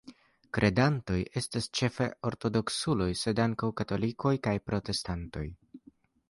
Kredantoj estas ĉefe ortodoksuloj, sed ankaŭ katolikoj kaj protestantoj.